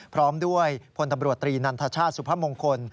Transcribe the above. พร้อมด้วยพลตำรวจตรีนันทชาติสุพมงคล